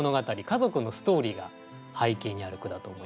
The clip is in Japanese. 家族のストーリーが背景にある句だと思います。